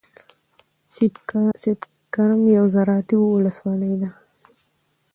سیدکرم یوه زرعتی ولسوالۍ ده.